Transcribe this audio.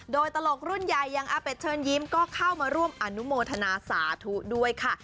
โดยตลกรุ่นใหญ่อย่างอาเป็ดเชิญยิ้มก็เข้ามาร่วมอนุโมทนาสาธุด้วยค่ะ